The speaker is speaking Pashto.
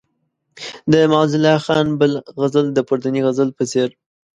د معزالله خان بل غزل د پورتني غزل په څېر.